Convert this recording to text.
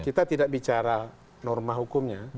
kita tidak bicara norma hukumnya